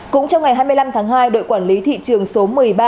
cũng trong ngày hai mươi năm tháng hai đội quản lý thị trường số một mươi ba